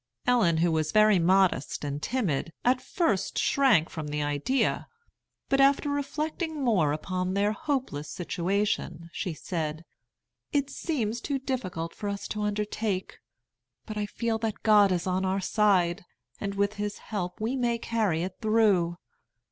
Ellen, who was very modest and timid, at first shrank from the idea. But, after reflecting more upon their hopeless situation, she said: "It seems too difficult for us to undertake; but I feel that God is on our side, and with His help we may carry it through.